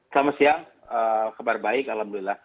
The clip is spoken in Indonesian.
selamat siang kabar baik alhamdulillah